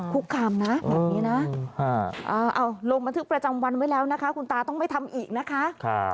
คุกคามนะแบบนี้นะเอาลงบันทึกประจำวันไว้แล้วนะคะคุณตาต้องไม่ทำอีกนะคะ